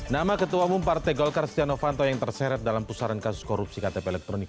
nama ketua umum partai golkar stiano fanto yang terseret dalam pusaran kasus korupsi ktp elektronik